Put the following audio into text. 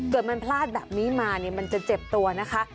เกิดมันพลาดแบบนี้มามันจะเจ็บตัวนะคะ